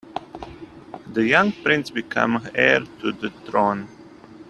The young prince became heir to the throne.